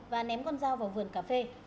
và ném con dao vào vườn cà phê